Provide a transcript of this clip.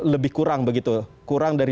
lebih kurang begitu kurang dari